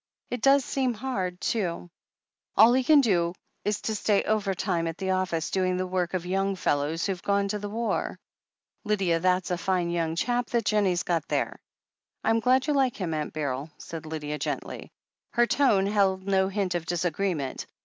It does seem hard, too. All he can do is to stay overtime at the office, doing the work of young fellows who've gone to the war. Lydia, that's a fine young chap that Jennie's got there." "I'm glad you like him. Aunt Beryl," said Lydia gently. Her tone held no hint of disagreement.